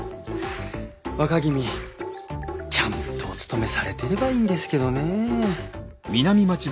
若君ちゃんとお勤めされていればいいんですけどねえ。